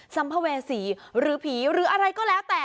สัมภเวษีหรือผีหรืออะไรก็แล้วแต่